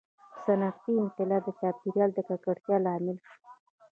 • صنعتي انقلاب د چاپېریال د ککړتیا لامل شو.